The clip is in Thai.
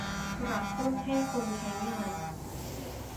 กระตุ้นให้คนใช้งาน